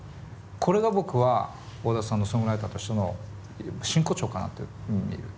これが僕は小田さんのソングライターとしての真骨頂かなって見る。